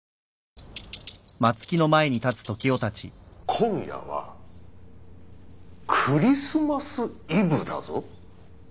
今夜はクリスマスイブだぞ。